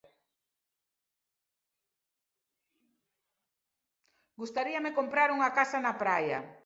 Gustaríame comprar unha casa na praia